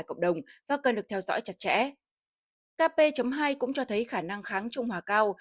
cộng đồng và cần được theo dõi chặt chẽ kp hai cũng cho thấy khả năng kháng trung hòa cao